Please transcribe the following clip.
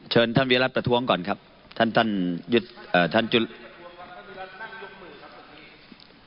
เชิญท่านวิรัติประท้วงก่อนครับท่านท่านยกมือครับ